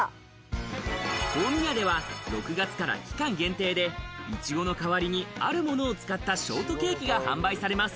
好味屋では６月から期間限定で、いちごの代わりにあるものを使ったショートケーキが販売されます。